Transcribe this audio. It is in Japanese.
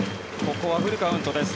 ここはフルカウントです。